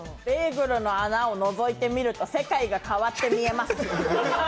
ベーグルの穴をのぞいてみると、世界が変わって見えます。